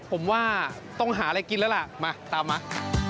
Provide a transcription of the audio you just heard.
ผมว่าต้องหาอะไรกินแล้วล่ะมาตามมา